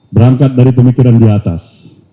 berangkat dari pemikiran di atas